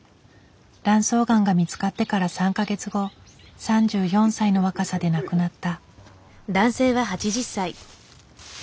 卵巣がんが見つかってから３か月後３４歳の若さで亡くなった。